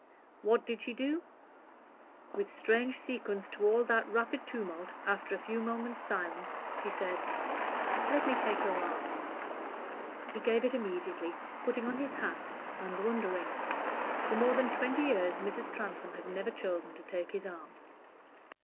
What did she do? With strange sequence to all that rapid tumult, after a few moments' silence she said "Let me take your arm." He gave it immediately, putting on his hat and wondering. For more than twenty years Mrs. Transome had never chosen to take his arm.